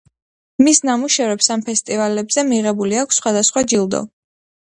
მის ნამუშევრებს ამ ფესტივალებზე მიღებული აქვს სხვადასხვა ჯილდო.